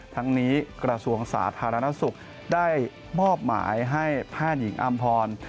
ทั้งนี้กระทรวงสาธารณสุขได้มอบหมายให้แพทย์หญิงอำพร